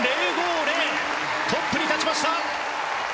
トップに立ちました！